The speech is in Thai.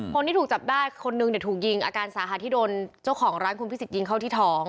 คนที่ถูกจับได้คนนึงเนี่ยถูกยิงอาการสาหัสที่โดนเจ้าของร้านคุณพิสิทธิยิงเข้าที่ท้อง